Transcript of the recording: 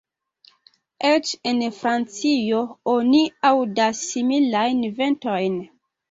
Eĉ en Francio oni aŭdas similajn ventojn.